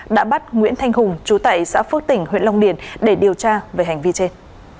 đã bắt nguyễn thanh hùng chú tại xã phước tỉnh huyện long điền để điều tra về hành vi trên